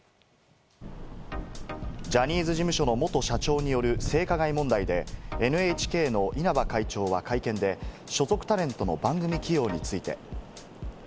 ジャニーズ事務所の元社長による性加害問題で、ＮＨＫの稲葉会長は会見で、所属タレントの番組起用について。